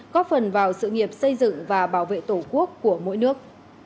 góp phần vào sự nghiệp xây dựng và bảo vệ tổ quốc của mỗi nước